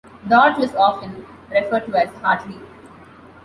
Dodge was often referred to as Hartley.